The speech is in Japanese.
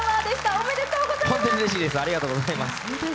おめでとうございます。